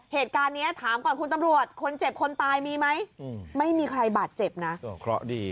เหตุการณ์นี้ถามก่อนคุณตำรวจคนเจ็บคนตายมีไหมไม่มีใครบาดเจ็บนะ